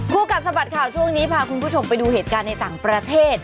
กัดสะบัดข่าวช่วงนี้พาคุณผู้ชมไปดูเหตุการณ์ในต่างประเทศ